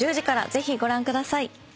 ぜひご覧ください。